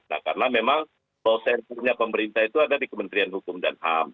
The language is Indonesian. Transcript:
nah karena memang call centernya pemerintah itu ada di kementerian hukum dan ham